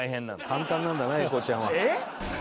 簡単なんだな英孝ちゃんは。えっ！？